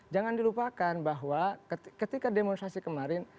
jangan dilupakan bahwa ketika demonstrasi kemarin